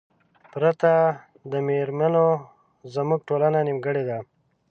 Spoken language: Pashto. پرته د میرمنو زمونږ ټولنه نیمګړې ده